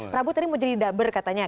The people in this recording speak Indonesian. prabu tadi mau jadi dubber katanya